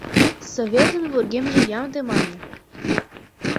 Советын вургемже ямде, мане.